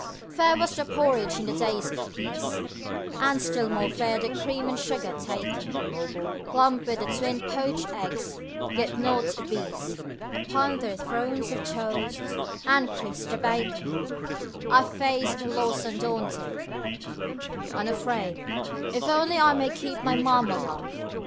Fair was the porridge in the days of peace, And still more fair the cream and sugar taken; Plump were the twin poached eggs, yet not obese, Upon their thrones of toast, and crisp the bacon I face their loss undaunted, unafraid, If only I may keep my Marmalade.